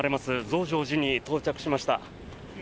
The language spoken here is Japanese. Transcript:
増上寺に到着しました。